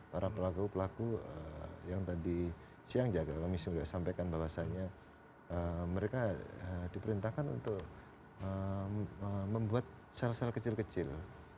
para pelaku pelaku yang tadi siang jaga kami sudah sampaikan bahwasannya mereka diperintahkan untuk membuat sel sel kecil kecil